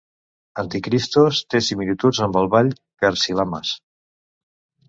Antikristos, té similituds amb el ball karsilamas.